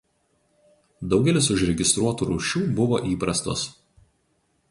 Daugelis užregistruotų rūšių buvo įprastos.